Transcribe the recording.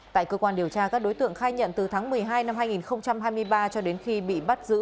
tại cơ quan điều tra các đối tượng khai nhận từ tháng một mươi hai năm hai nghìn hai mươi ba cho đến khi bị bắt giữ